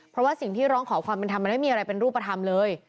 เพราะว่าสิ่งที่ร้องขอความเป็นธรรมมันไม่มีอะไรเป็นรูปธรรมเลย